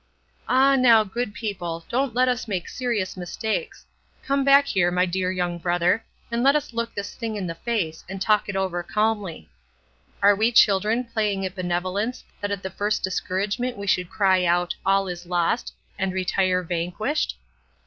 "Ah, now, good people, don't let us make serious mistakes! Come back here, my dear young brother, and let us look this thing in the face, and talk it over calmly. Are we children playing at benevolence that at the first discouragement we should cry out, 'All is lost!' and retire vanquished?